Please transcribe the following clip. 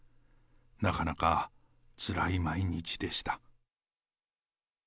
なかなかつらい毎日でした。